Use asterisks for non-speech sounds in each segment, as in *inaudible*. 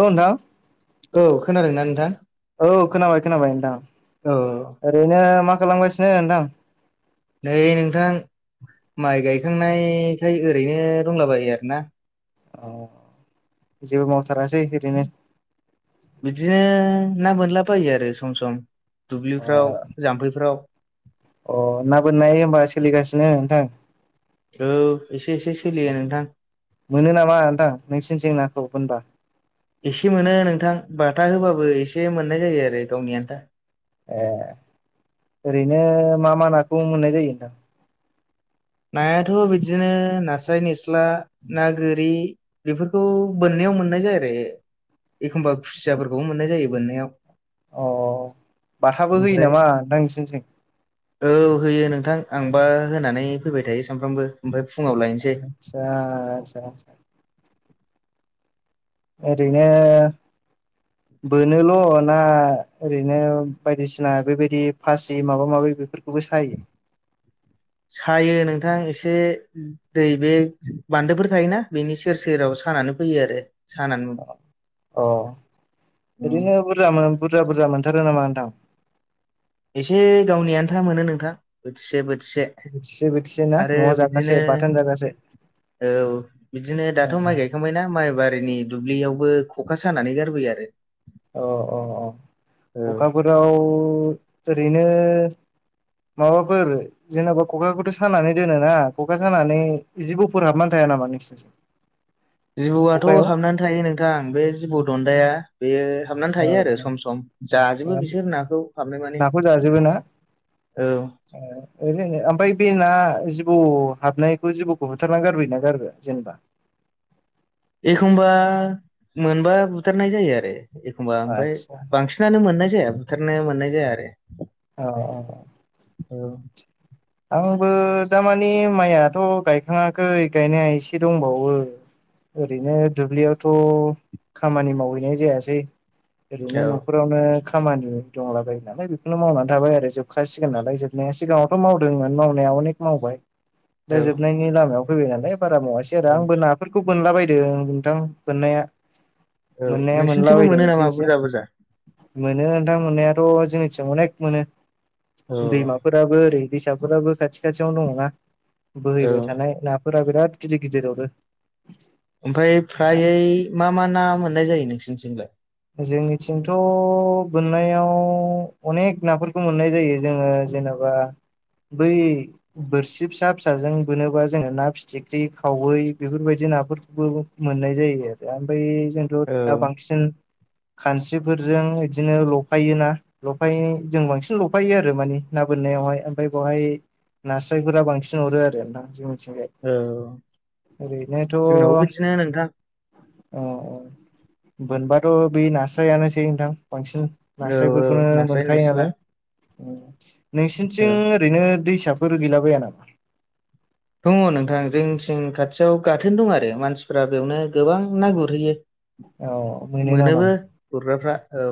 औ नोंथां औ खोनादोंना नोंथां औ खोनाबाय खोनाबाय नोंथां? औ ओरैनो मा खालामगासिनो नोंथां नै नोंथां माइ गायखांनायखाय ओरैनो दंलाबायो आरो ना। अ जेबो मावथारासै ओरैनो बिदिनो ना बोनलाबायो आरो सम सम अ दुब्लिफ्राव जाम्फैफ्राव अ ना बोननाय होमबा सोलिगासिनो नोंथां औ एसे एसे सोलियो नोंथां मोनो नामा नोंथां नोंसिनिथिं नाखौ बोनबा एसे मोनो नोंथां बाथा होबाबो एसे मोननाय जायो आरो गावनि आन्था ए ओरैनो मा मा नाखौ मोननाय जायो नोंथां नायाथ' बिदिनो नास्राय निस्ला ना गोरि बेफोरखौ बोननायाव मोननाय जायो आरो एखमबा खुसियाफोरखौबो मोननाय जायो बोननायाव। अ बाथाबो होयो ओमफ्राय नामा नोंथां नोंसिनिथिं? औ होयो नोंथां आंबा होनानै फैबाय थायो सानफ्रामबो ओमफ्राय फुङाव लायनोसै। आतसा आतसा। ओरनो बोनोल' ना ओरैनो बायदिसिना बेबायदि फासि माबा माबि बेफोरखौबो सायो? सायो नोंथां एसे। दै बे बान्दोफोर थायोना बेनि सेर सेराव सानानै फैयो आरो। सानानै अ उम ओरैनो बुरजा मो-बुरजा बुरजा मोनथारो नामा नोंथां? एसे गावनि आन्था मोनो नोंथां बोथिसे बोथिसे। बोथिसे बोथिसे ना आरो न'आव बिदिनो जागासे बाथोन जागासे? औ बिदिनो अ दाथ' माइ गाय खांबायना माइबारिनि दुब्लियावबो खखा सानानै गारबोयो आरो। अ अ अ औ कखाफोराव ओरैनो माबाफोर जेन'बा खखाखौथ' सानानै दोनोना ख'खा सानानै जिबौफोर हाबनान थाया नामा नोंसोरनिथिं? जिबौआथ' हाबनानै थायो नोंथां बे जिबौ दन्दाया बेयो हाबनानै थायो आरो औ सम सम जाजोबो बिसोर नाखौ हाबनो माने नाखौ जाजोबो ना औ *unintelligible* ओरैनो ओमफ्राय बे ना जिबौ हाबनायखौ जिबौखौ होथारना गारबो ना गारबो जेनेबा एखमबा मोनबा बुथारनाय जायो आरो एखमबा ओमफ्राय आदसा बांसिन ननानो मोननाय जाया बुथारनो मोननाय जाया आरो। औ औ औ आंबो दामानि माइयाथ' गायखाङाखै गायनाया एसे दंबावो। ओरैनो दुब्लियावथ' खामानि मावहैनाय जायासै ओरैनो औ न'खराव। खामानि दंलाबायो नालाय बेखौनो मावनानै थाबाय आरो जोबखासिगोन नालाय जोबनाया सिगाङावथ' माव *unintelligible* मावनाय अने मावबाय दा औ जोबनायनि लाम फैबाय नालाय बारा मावासै आरो औ आंबो ना फोरखौ मोनोनला बदों नोंथां मोनोननाया औ मोननाया नोंसिनिथिंबो मोनलाबायदों मोनो एसे नामा एसे बुरजा बुरजा मोनो नोंथां मोननायाथ' जोंनिथिं अनेख मोनो औ दैमाफोराबो ओरै दैसाफोराबो खाथि खाथियावनो दङना औ बोहैबाय थानाय ना फुर बिराद गिदिर गिदिर अरो ओमफ्राय फ्रायै मा मा ना मोननाय जायो नोंसोरनिथिंलाय? जोंनिथिंथ' बोननायाव अनेक नाफोरखौ मोननाय जायो जोंङो जेन'बा बा बै बोरसि फिसा फिसाजों बोनोबा जोंङो ना फिथिख्रि खावै बेफोरबायदि नाफोरखौबो मोननाय जायो आरो ओमफ्राय जोंथ' औ दा बांसिन खानस्रिफोरजों बिदिनो लफायोना लफायो जों बांसिन लफायो आरो माने ना बोननायावहाय ओमफ्राय बेावहाय नास्रायफोरा बांसिन हरो आरो ना जोंनिथिं जाय औ ओरैनोथ' औ जोंनावबो बिदिनो नोंथां औ मोनबाथ' बे नास्रायानोसै नोंथां बांसिन औ औ नास्रायफोरखौनो नास्राय मोनखायो निस्ला नालाय औ नोंसिनिथिं ओरैनो दैसाफोर गैलाबाया नामा? दङ नोंथां जों सिं खाथियाव गाथोन दं आरो मानसिफोरा बेयावनो गोबां ना गुरहैयो। औ मोनो नामा मोनोबो गुरग्राफ्रा औ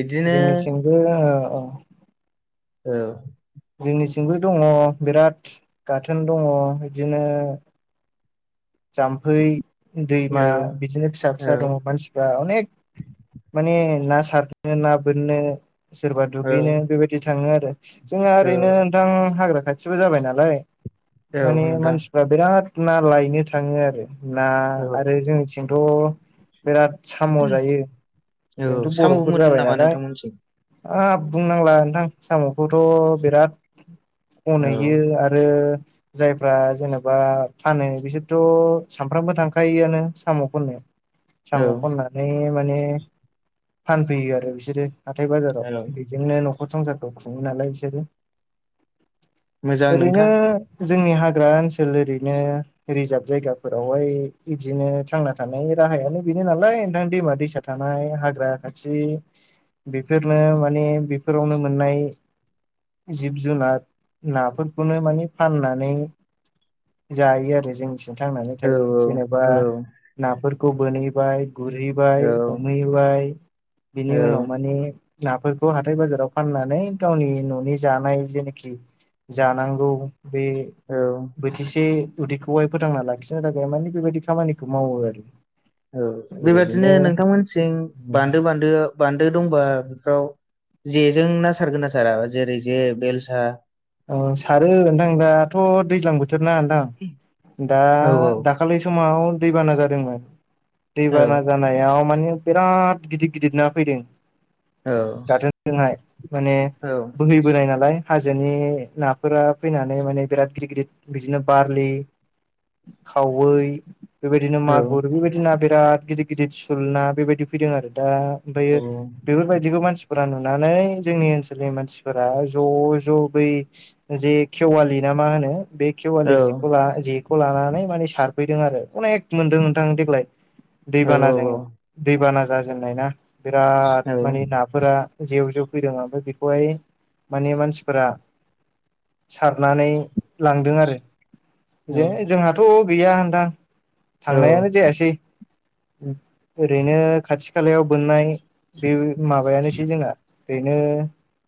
बिदिनो बे अ औ जोंनि सिंबो दङ बिराद गाथोन दङ बिदिनो जाम्फै दैमा औ बिदिनो फिसा औ फिसा दङ मानसिफ्रा अनेक माने ना सारनो ना बोननो सोरबा औ दुगैनो बेबायदि थाङो आरो जोंहा औ ओरैनो नोंथां हाग्रा खाथिबो जाबाय नालाय औ माने नोंथां मानसिफ्रा बिराद ना लायनो था थाङो आरो ना औ आरो जोंनिथिंथ' बिराद साम' जायो औ जोंथ' साम' बर'फोर मोनो जाबाय नामा नालाय नोंथांमोनथिं हाब बुंनांला नोंथां साम'खौथ' बिराद औ खनहैयो आरो आरो जायफ्रा जेनेबा फानो बिसोर थ' सामफ्रामबो थांखायोआनो साम' खननो औ साम' खना माने फानफैयो आरो बिसोरो हाथाय बाजाराव औ बेजोंनो न'खर संसारखौ खुङो नालाय बिसोरो मोजां ओरैनो नोंथां जोंनि हाग्रा ओनसोल ओरैनो रिजार्भ जायगाफोरावहाय बिदिनो थांना थानायनि राहायानो बेनो नालाय नोंथां दैमा दैसा थानाय हाग्रा खाथि बेफोरनो माने बेफोरावनो मोननाय जिब जुनार नाफोरखौनो माने फाननानै जायो आरो जोंनि थांनानै औ थायो जेनेबा औ नाफोरखौ बोनहैबाय गुरहैबाय औ हमहैबाय औ बिनि उनाव माने नाफोरखौ हाथाय बाजाराव फाननानै गावनि न'नि जानाय जेनाखि जानांगौ बे औ बोथिसे उदैखौहाय फोथांना लाखिनो थाखाय मानि बेबायदि खामानिखौ मावो आरो। औ बेबादिनो ओरैनो नोंथांमोनसिं बान्दो बान्दोआव बान्दो दंबा बेफोराव जेजों ना सारगोन ना सारा जेरै जे बेलसा औ सारो नोंथां दाथ' दैज्लां बोथोरना नोंथां दा औ दाखा दाखालि समाव दैबाना जादोंमोन औ दैबाना जानाय नायाव माने बिराद गिदिर गिदिर ना फैदों। औ दाथ जोंहा माने बोहैबोनाय नालाय हाजोनि नाफोरा फैनानै माने बिराद गिदिर गिदिर बिदिनो बारलि खावै बेबायदिनो औ मागुर बेबायदि ना बिराद गिदिर गिदिर सुल ना बेबायदि फैदों आरो दा ओमफ्रायो औ बेफोरबायदिखौ मानसिफोरा नुनानै जोंनि ओनसोलनि मानसिफोरा ज' ज' बै जे खेवालि ना मा होनो बे औ खेवालि जिखौ ला जे खौ लानानै माने सारफैदों आरो अनेक मोनदों नोंथां देग्लाय दैबानाजों। दैबाना जाजेननाय ना बिराद माने ना फोरा जेव जेव फैदों ओमफ्राय बेखौहाय माने मानसिफोरा सारनानै लांदों आरो जे जोंहाथ' गैया नोंथां थांनायानो जायासै ओरैनो खाथि खालायाव बोननाय बे माबायानोसै जोंना ओरैनो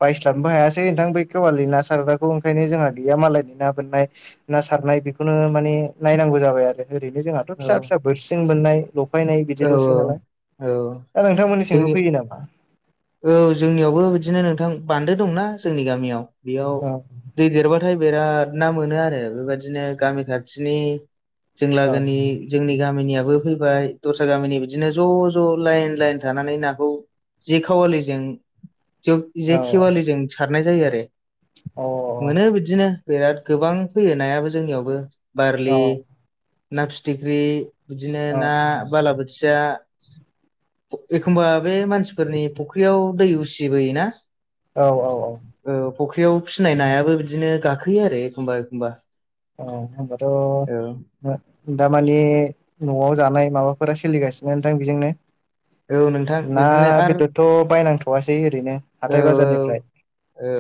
बायस्लानोबो हायासै नोंथां बै केेवालि ना सारग्राखौ ओंखायनो जोंहा गैया मालायनि ना बोननाय ना सारनाय बेखौनो माने नायनांगौ जाबाय आरो ओरैनो जोंहा फिसा फिसा बोर्सिजों बोननाय लफायनाय औ बिदिल'सै नालाय औ दा नोंथांमोननिसिंबो जोंनि फैयो नामा? औ जोंनियावबो बिदिनो नोंथां बान्दो दंना जोंनि गामियाव बेयाव औ दै देरबाथाय बिराद ना मोनो आरो बे बायदिनो गामि खाथिनि जों लागोनि जोंनि गामिनियाबो फैबाय दस्रा गामिनि बिदिनो ज' ज' लाइन लाइन थानानै नाखौ जे खावालिजों औ जे खेवालिजों सारनाय जायो आरो औ मोनो बिदिनो बिराद गोबां फैयो नायाबो जोंनियावबो औ बारलि ना फिथिख्रि बिदिनो ना बालाबोथिया एखमबा बे मानसिफोरनि फुख्रियाव दै उसिबोयोना औ औ औ फख्रियाव फिसिनाय नायाबो बिदिनो गाखोयो आरो एखमबा एखमबा औ औ होनबाथ दामाने न'आव जानाय माबाफोरा सोलिगासिनो नोंथां बेजोंनो औ नोंथां ना बिदिनो आरो बेदरथ' बायनांथ'वासै ओरैनो औ हाथाय औ बाजारनिफ्राय औ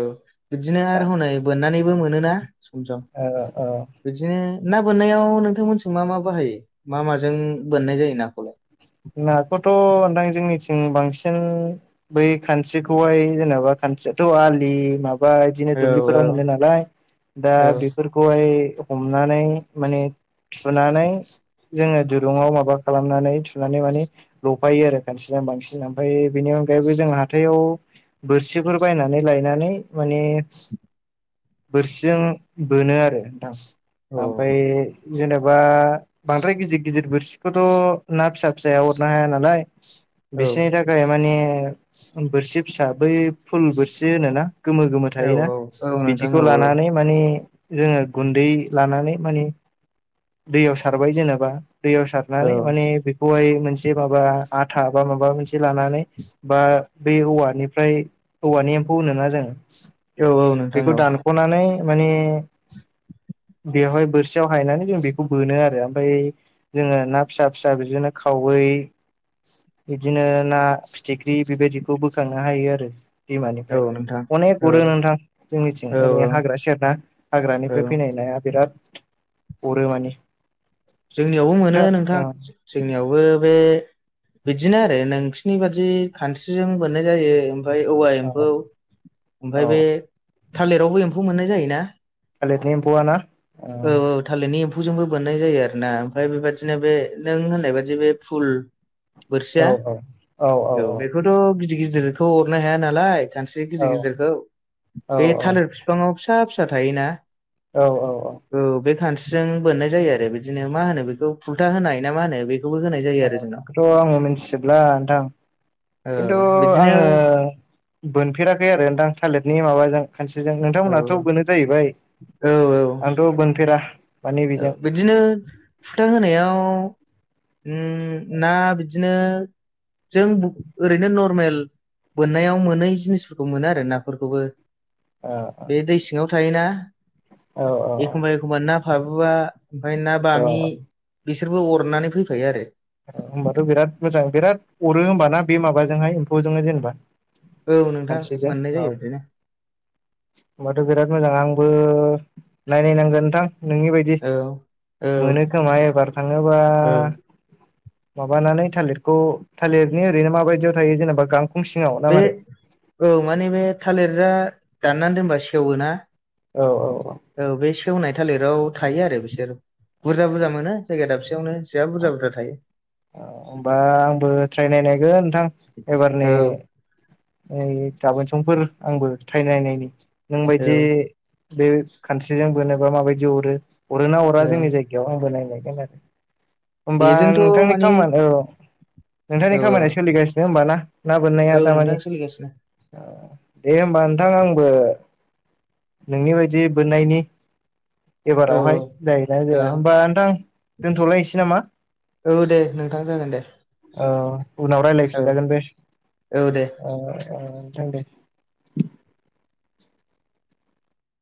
बिदिनो दा आरो हनै बोननानैबो मोनोना सम सम ओ ओ बिदिनो ना बोननायाव नोंथांमोनथिं मा मा बाहायो मा माजों बोननाय जायो नाखौलाय? नाखौथ' नोंथां जोंनिथिं बांसिन बै खानस्रिखौहाय जेनेबा खानस्रियाथ' आलि माबा बा इदिनो औ औ दुब्लिफोराव मोनो नालाय दा औ बेफोर खौहाय हमनानै माने थुनानै जोंङो दुरुंङाव माबा खालामनानै सुनानै माने लफायो आरो खानस्रिजों बांसिन ओमफ्राय बेनि अनगायैबो जों हाथायाव बोरसिफोर बायनानै लायनानै माने बोरसिजों बोनो आरो नोंथां। औ ओमफाय जेनेबा बांद्राय गिदिर गिदिर बोरसिखौथ' ना फिसा फिसाया अरनो हाया नालाय बिसोरनि था खाय माने बोरसि फिसा बै फुल बोरसि होनो ना? गोमो गोमो औ थायोना औ औ नोंथां बिदिखौ औ लानानै माने जोङो गुन्दै लानानै माने दैयाव सारबाय जेनेबा दैयाव औ सारनानै माने बे खौहाय मोनसे माबा आथा बा माबा मोनसे लानानै बा बै औवानिफ्राय औवानि एम्फौ होनोना जोङो? औ औ नोंथां औ बेखौ दानख'नानै माने बेवहाय बोरसियाव हायनानै जों बेखौ बोनो आरो ओमफाय जोङो ना फिसा फिसा बिदिनो खावै बिदिनो ना फिथिख्रि बेबायदिखौ बोखांनो हायो आरो औ दैमानिफ्राय। नोंथां अनेक औ अरो नोंथां जोंनिथिं औ ओरै हाग्रा सेरना। हाग्रानिफाय औ फैनाय नाया बिराद अरो माने। जोंनियावबो मोनो नोंथां। जोंनियावबो बे बिदिनो आरो नोंसिनि बादि खान्स्रिजों बोननाय जायो ओमफाय औवा औ एम्फौ ओमफाय औ बे औ थालिरावबो एम्फौ मोननाय जायो ना? थालिदनि एम्फौआ ना? औ औ थालिरनि एम्फौजोंबो बोननाय जायो आरो ना ओमफाय बेबादिनो बे नों होननाय बादि बे फुल बोरसिया औ औ बेखौथ' गिदिर गिदिरखौ अरनो हाया नालाय खानस्रि गिदिर गिदिरखौ बे थालिर औ बिफाङाव फिसा फिसा थायोना? औ औ औ बे खानस्रिजों बोननाय जायो आरो बिदिनो मा होनो बेखौ फुल्था होनाय ना मा होनो बेखौबो होनाय जा अ बेखौथ' आङो मिन्थिजोबला नोंथां औ खिन्थु बिदिनो आङो औ बोनफेराखै आरो नोंथां थालिरनि माबाजों खानस्रिजों नोंथांमोनहाथ' औ बोनो जाहैबाय औ औ आंथ' बोनफेरा। माने औ बेजों बिदिनो फुल्था होनायाव उम ना बिदिनो जों ब ओरैनो नर्मेल बोननायाव मोनै जिनिसफोरखौ मोनो आरो नाफोरखौबो। औ बे दै सिङाव थायोना औ एखमबा एखमबा ना फाबुवा ओमफाय ना औ बामि बेसोरबो अरनानै फैफायो आरो। औ होनबाथ' बिराद मोजां बिराद अरो होमबाना बे माबाजोंहाय एम्फौजोंनो जेनेबा? औ नोंथां खानस्रिजों मोननाय औ जायो बिदिनो। होमबाथ' बिराद मोजां आंबो नायनायनांगोन नोंथां नोंनि बाय दि औ औ मोनो खोमा एबार थाङोबा औ माबानानै थालिरखौ थालिरनि ओरैनो माबायदियाव थायो जेनेबा गां बे औ माने बे थालिरजा दाननानै दोनबा सेवो ना? औ औ औ औ बे सेवनाय थालिराव थायो आरो बिसोर बुरजा बुरजा मोनो जायगा दाबसेयावनो। जा बुरजा बुरजा थायो होनबा आंबो ट्राइ नायनायगोन नोंथां एबारनि ओइ गाबोन संफोर आंबो ट्राइ नायनायनि औ नोंबायदि औ बे खान्स्रिजों बोनोबा माबायदि अरो अरो ना औ अरा जोंनि जायगायाव आंबो नायनायगोन आरो। होमबा बेजोंथ' नोंथांनि माने खामान ओ नोंथांनि औ खामानिया सोलिगासिनो होमबाना ना बोननाया औ नोंथां दामानि? सोलिगासिनो। दे होमबा नोंथां आंबो नोंनि बायदि बोननायनि औ एबारावहाय जायोना औ जाया होमबा नोंथां दोन्थ'लायनोसै नामा? औ दे नोंथां जागोन दे औ उनाव औ रायलायफिनजागोन दे औ दे नोंथां दे